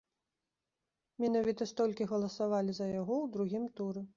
Менавіта столькі галасавалі за яго ў другім туры.